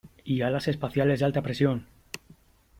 ¡ Y alas espaciales de alta presión !